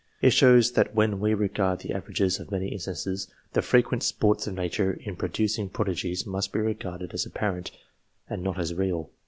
It shows that when we regard the averages of many instances, the frequent sports of nature in producing prodigies must be regarded as appa BETWEEN 1660 AND 1865 75 rent, and not as real.